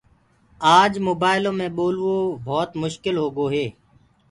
آج موبآئلو مي ٻولوو ڀوت مشڪل هوگو هي